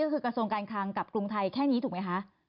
ก็คือกระทรวงการคลังกับกรุงไทยแค่นี้ถูกไหมคะ